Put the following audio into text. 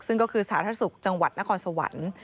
ซึ่งก็คือสาธารณสุขจังหวัดนครสวรรค์